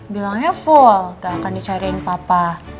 bilangnya full gak akan dicariin papa